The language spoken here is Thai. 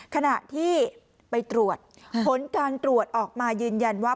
ขณะที่ไปตรวจผลการตรวจออกมายืนยันว่า